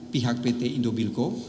pihak pt indo bilko